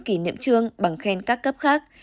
kỷ niệm chương bằng khen các cấp khác